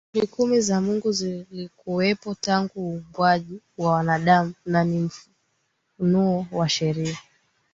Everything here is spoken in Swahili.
Amri kumi za Mungu zilikuwepo tangu Uumbwaji wa Wanadamu na ni mafunuo ya Sheria